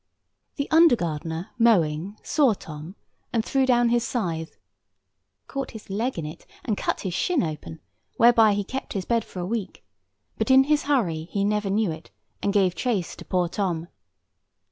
[Picture: The under gardener] The under gardener, mowing, saw Tom, and threw down his scythe; caught his leg in it, and cut his shin open, whereby he kept his bed for a week; but in his hurry he never knew it, and gave chase to poor Tom.